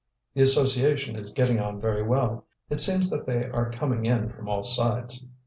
"The association is getting on very well. It seems that they are coming in from all sides."